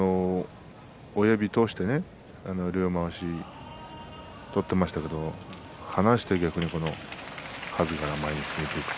親指を通して両まわし取っていましたけども離して、逆にはずから前に攻めていく。